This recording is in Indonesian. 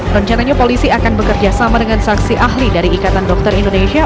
rencananya polisi akan bekerja sama dengan saksi ahli dari ikatan dokter indonesia